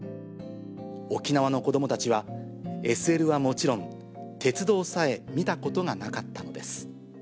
沖縄の子どもたちは、ＳＬはもちろん、鉄道さえ見たことがなかったのです。